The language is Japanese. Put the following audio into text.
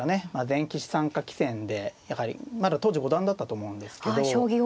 全棋士参加棋戦でやはりまだ当時五段だったと思うんですけど。